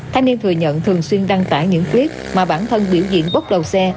thành niên thừa nhận thường xuyên đăng tải những clip mà bản thân biểu diễn bốc đầu xe